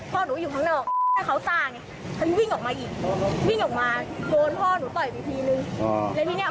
พ่อหนูอยู่ข้างนอกแล้วเขาตากัน